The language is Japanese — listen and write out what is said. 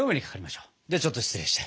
ではちょっと失礼して。